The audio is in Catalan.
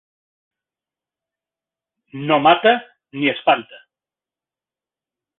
No mata ni espanta.